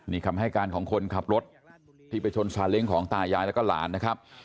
นี่คำให้การของคนขับรถที่ไปชนซาเล้งของตายายแล้วก็หลานนะครับ